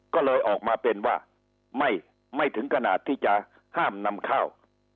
ก็เลยออกมาเป็นว่าไม่ถึงขนาดที่จะห้ามนำข้าว